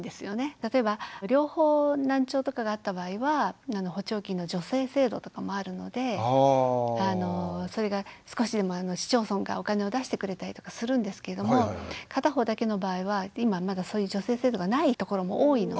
例えば両方難聴とかがあった場合は補聴器の助成制度とかもあるのでそれが少しでも市町村がお金を出してくれたりとかするんですけれども片方だけの場合は今はまだそういう助成制度がないところも多いので。